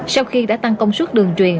sau khi đã tăng công suất đường truyền